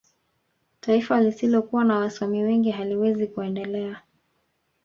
taifa lisilokuwa na wasomi wengi haliwezi kuendelea